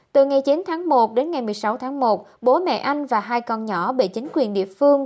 từ ngày chín tháng một đến ngày một mươi sáu tháng một bố mẹ anh và hai con nhỏ bị chính quyền địa phương